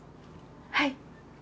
はい。